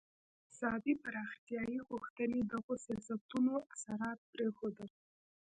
د اقتصادي پراختیايي غوښتنې دغو سیاستونو اثرات پرېښودل.